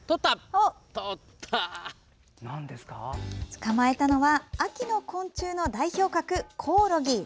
捕まえたのは秋の昆虫の代表格コオロギ。